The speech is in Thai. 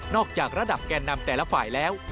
จากระดับแก่นำแต่ละฝ่ายแล้ว